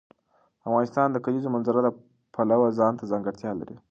افغانستان د د کلیزو منظره د پلوه ځانته ځانګړتیا لري.